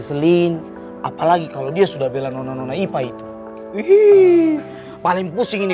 kalau papa kan mau alsiskan bisnis paradisi ini